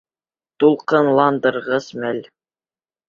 Тулҡынландырғыс мәл.